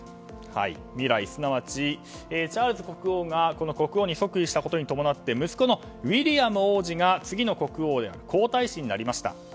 未来、すなわちチャールズ国王が国王即位に伴って息子のウィリアム皇太子が次の国王皇太子になりました。